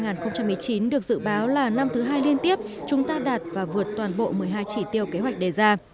năm hai nghìn một mươi chín được dự báo là năm thứ hai liên tiếp chúng ta đạt và vượt toàn bộ một mươi hai chỉ tiêu kế hoạch đề ra